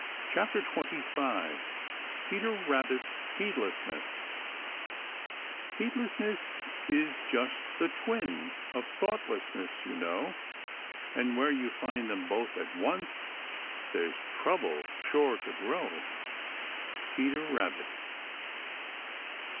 CHAPTER XXV PETER RABBIT'S HEEDLESSNESS Heedlessness is just the twin of thoughtlessness, you know, And where you find them both at once, there trouble's sure to grow. Peter Rabbit.